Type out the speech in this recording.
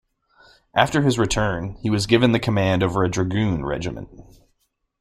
After his return, he was given the command over a dragoon regiment.